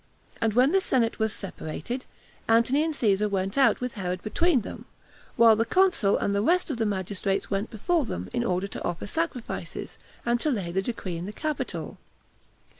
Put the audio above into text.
And when the senate was separated, Antony and Caesar went out, with Herod between them; while the consul and the rest of the magistrates went before them, in order to offer sacrifices, and to lay the decree in the Capitol.